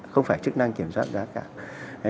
không phải chức năng kiểm soát giá cả